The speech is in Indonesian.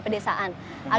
dari sampah sampah pedesaan